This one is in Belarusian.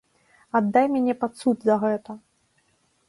Аддай мяне пад суд за гэта!